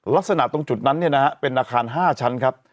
ลักษณะตรงจุดนั้นเนี่ยนะฮะเป็นอาคาร๕ชั้นครับ